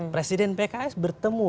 presiden pks bertemu